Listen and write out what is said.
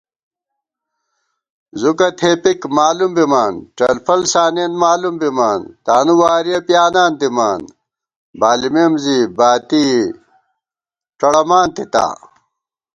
زُکہ تھېپِک مالُوم بِمان، ڄلفل سانېن مالُوم بِمان * تانُو وارِیَہ پیانان دِمان بالِمېم زی باتی ڄڑَمان تِتا